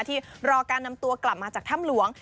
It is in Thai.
ที่รอการนำตัวกลับมาจากถ้ำหลวง